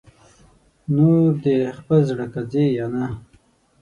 نور دې خپل زړه که ځې یا نه